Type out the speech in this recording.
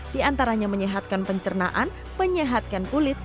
diantaranya menyehatkan pencernaan menyehatkan kulit